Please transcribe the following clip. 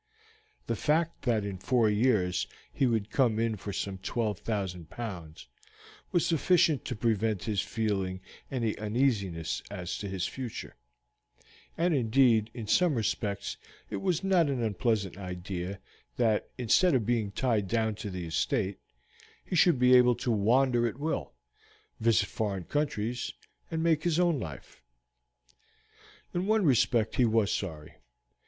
The fact that in four years he would come in for some twelve thousand pounds was sufficient to prevent his feeling any uneasiness as to his future; and indeed in some respects it was not an unpleasant idea that, instead of being tied down to the estate, he should be able to wander at will, visit foreign countries, and make his own life. In one respect he was sorry.